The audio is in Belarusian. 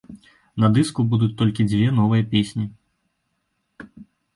На дыску будуць толькі дзве новыя песні.